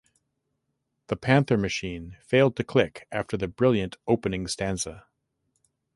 The Panther machine failed to click after the brilliant opening stanza.